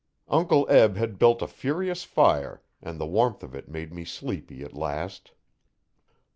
Uncle Eb had built a furious fire and the warmth of it made me sleepy at last.